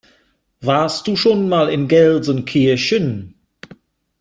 Warst du schon mal in Gelsenkirchen?